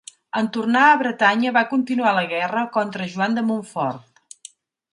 En tornar a Bretanya va continuar la guerra contra Joan de Montfort.